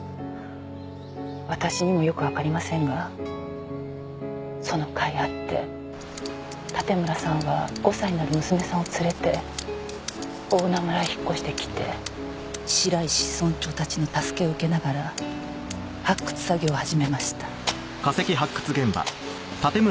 私にもよくわかりませんがその甲斐あって盾村さんは５歳になる娘さんを連れて大菜村へ引っ越してきて白石村長たちの助けを受けながら発掘作業を始めました。